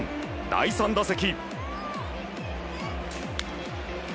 第３打席。